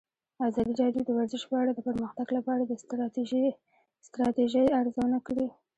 ازادي راډیو د ورزش په اړه د پرمختګ لپاره د ستراتیژۍ ارزونه کړې.